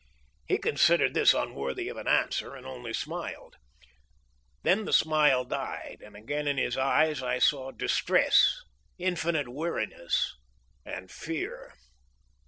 He considered this unworthy of an answer and only smiled. Then the smile died, and again in his eyes I saw distress, infinite weariness, and fear.